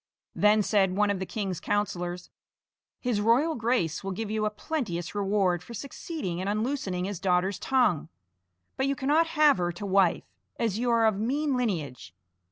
Then said one of the king's councillors: "His Royal Grace will give you a plenteous reward for succeeding in unloosing his daughter's tongue; but you cannot have her to wife, as you are of mean lineage."